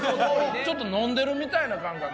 ちょっと飲んでるみたいな感覚。